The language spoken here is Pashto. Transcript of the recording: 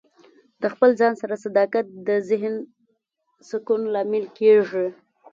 د خپل ځان سره صداقت د ذهن سکون لامل کیږي.